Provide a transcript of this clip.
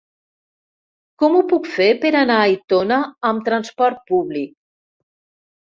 Com ho puc fer per anar a Aitona amb trasport públic?